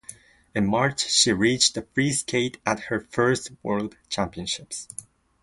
In March, she reached the free skate at her first World Championships.